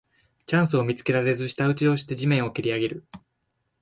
チャンスを見つけられず舌打ちをして地面をけりあげる